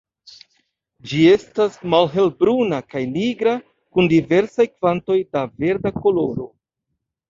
Ĝi estas malhelbruna kaj nigra kun diversaj kvantoj da verda koloro.